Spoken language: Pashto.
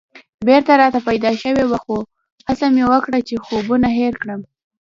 بېره راته پیدا شوې وه خو هڅه مې وکړه چې خوبونه هېر کړم.